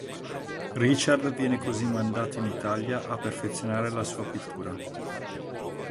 Richard viene così mandato in Italia a perfezionare la sua pittura.